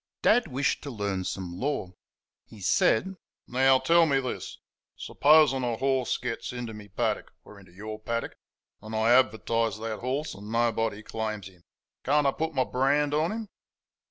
Dad wished to learn some law. He said: "Now, tell me this: supposing a horse gets into my paddock or into your paddock and I advertise that horse and nobody claims him, can't I put my brand on him?"